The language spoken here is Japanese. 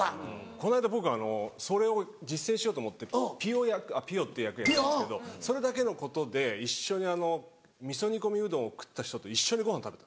この間僕それを実践しようと思ってピヨ役あっピヨって役やってたんですけどそれだけのことで一緒に味噌煮込みうどんを食った人と一緒にご飯食べた。